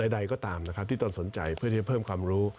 ใดก็ตามที่ต้องสนใจเพื่อที่จะเพิ่มความรู้